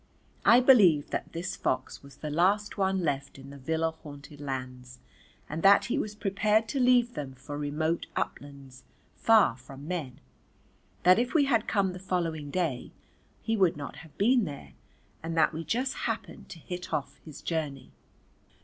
I believe that this fox was the last one left in the villa haunted lands and that he was prepared to leave them for remote uplands far from men, that if we had come the following day he would not have been there, and that we just happened to hit off his journey.